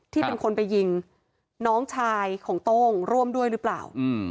ที่เป็นคนไปยิงน้องชายของโต้งร่วมด้วยหรือเปล่า